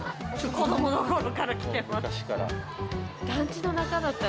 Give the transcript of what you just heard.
子どものころから来てます。